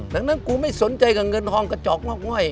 ดังนั้นกูไม่สนใจกับเงินทองกระจอกงอกง่อย